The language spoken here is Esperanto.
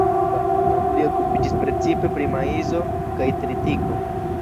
Li okupiĝis precipe pri maizo kaj tritiko.